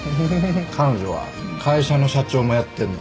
彼女は会社の社長もやってるの。